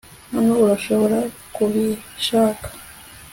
Hano urashobora kubishaka